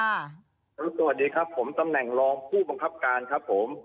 สวัสดีครับผมตำแหน่งรองผู้บังคับการครับผม